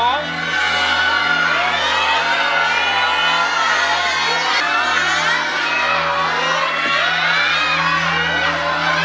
๓ครับ